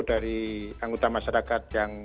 dari anggota masyarakat yang